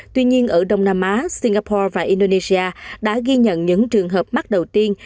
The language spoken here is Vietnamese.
tuy nhiên ở đông nam á singapore và indonesia đã ghi nhận những trường hợp mắc đầu tiên